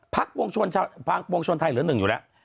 พักวงชนไทยเหลือ๑อยู่แล้ว